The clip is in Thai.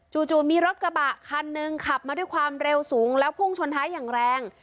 จู่มีรถกระบะคันหนึ่งขับมาด้วยความเร็วสูงแล้วพุ่งชนท้ายอย่างแรง